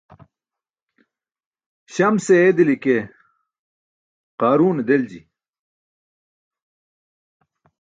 Śamse eedili ke qaaruune delji.